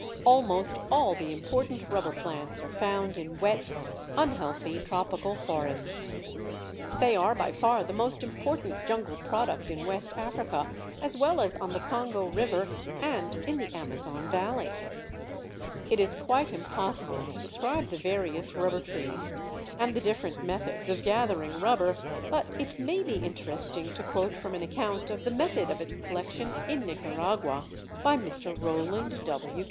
Almost all the important rubber plants are found in wet, unhealthy, tropical forests; they are by far the most important jungle product in West Africa, as well as on the Congo River and in the Amazon valley. It is quite impossible to describe the various rubber trees, and the different methods of gathering rubber, but it may be interesting to quote from an account of the method of its collection in Nicaragua, by Mr. Rowland W.